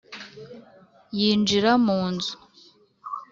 yinjira mu nzu.